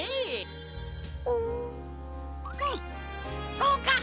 そうか！